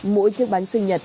mỗi chiếc bánh sinh nhật